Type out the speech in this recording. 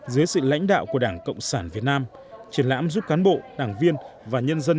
dưới sự lãnh đạo của đảng cộng sản việt nam triển lãm giúp cán bộ đảng viên và nhân dân